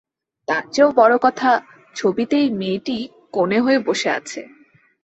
তার চেয়েও বড় কথা, ছবিতে এই মেয়েটিই কনে হয়ে বসে আছে।